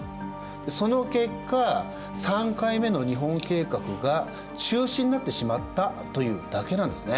その結果３回目の日本計画が中止になってしまったというだけなんですね。